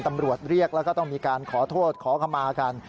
ตำรวจเรียกแล้วก็ต้องมีการขอโทษขอขมากัน